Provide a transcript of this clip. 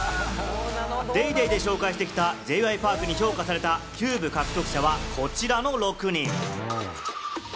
『ＤａｙＤａｙ．』で紹介してきたＪ．Ｙ．Ｐａｒｋに評価されたキューブ獲得者はこちらの６人。